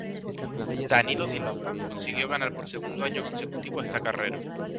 Danilo Di Luca consiguió ganar por segundo año consecutivo esta carrera.